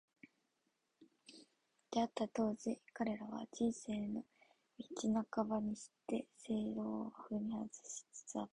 出逢った当時、彼らは、「人生の道半ばにして正道を踏み外し」つつあった。